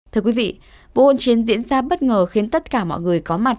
thưa quý vị vụ hôn chiến diễn ra bất ngờ khiến tất cả mọi người có mặt